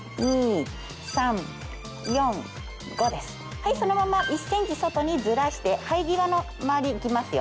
はいそのまま１ｃｍ外にずらして生え際の周り行きますよ。